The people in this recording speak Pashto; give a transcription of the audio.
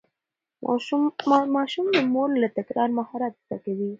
ماشوم د مور له تکرار مهارت زده کوي.